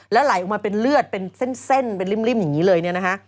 แล้วไหลออกมาเป็นเลือดเป็นเส้นเป็นริ่มอย่างนี้เลยเนี่ยนะคะ